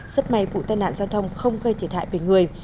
rất may vụ tai nạn giao thông không gây thiệt hại về người